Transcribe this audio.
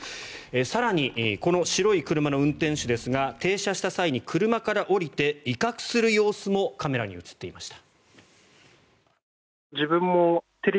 更に、この白い車の運転手ですが停車した際に車から降りて威嚇する様子もカメラに映っていました。